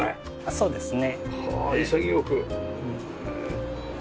そうですね。